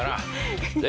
で？